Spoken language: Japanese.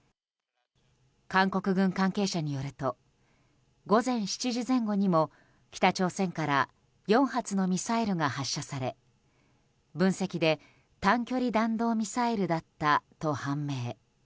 韓国軍関係者によると午前７時前後にも、北朝鮮から４発のミサイルが発射され分析で短距離弾道ミサイルだったと判明。